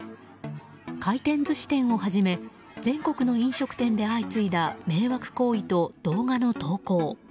回転寿司店をはじめ全国の飲食店で相次いだ迷惑行為と動画の投稿。